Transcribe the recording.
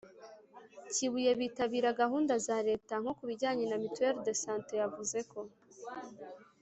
kibuye bitabira gahunda za leta. nko ku bijyanye na mutuelle de santé, yavuze ko